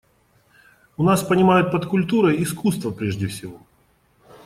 У нас понимают под «культурой» искусство прежде всего.